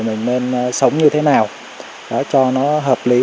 mình nên sống như thế nào cho nó hợp lý